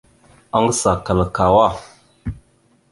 Aŋgəsa kal kawá.